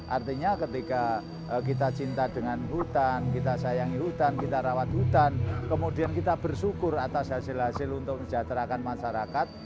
artinya ketika kita cinta dengan hutan kita sayangi hutan kita rawat hutan kemudian kita bersyukur atas hasil hasil untuk menjajahterakan masyarakat